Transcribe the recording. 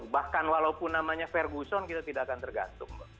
bahkan walaupun namanya verguson kita tidak akan tergantung